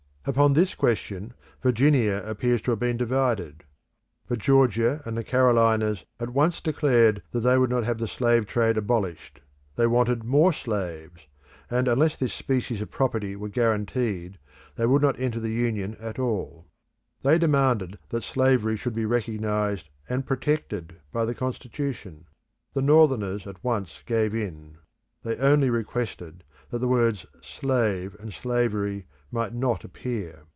Upon this question Virginia appears to have been divided. But Georgia and the Carolinas at once declared that they would not have the slave trade abolished: they wanted more slaves; and unless this species of property were guaranteed, they would not enter the Union at all. They demanded that slavery should be recognised and protected by the Constitution. The Northerners at once gave in; they only requested that the words "slave" and "slavery" might not appear.